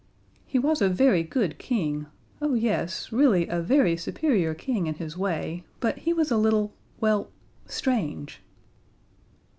"He was a very good King oh, yes, really a very superior King in his way, but he was a little well, strange."